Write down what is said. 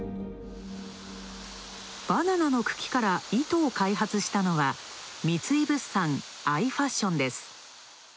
バナナの茎から糸を開発したのは三井物産アイ・ファッションです。